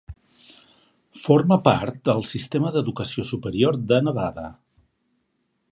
Forma part del Sistema d'Educació Superior de Nevada.